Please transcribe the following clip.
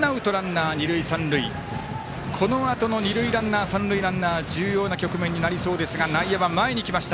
このあと二塁ランナー三塁ランナー重要な局面になりそうですが内野前に来ました。